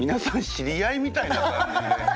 知り合いみたいな感じで。